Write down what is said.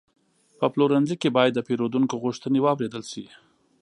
په پلورنځي کې باید د پیرودونکو غوښتنې واورېدل شي.